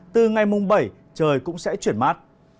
từ ngày mùng bảy trời cũng sẽ chuyển mát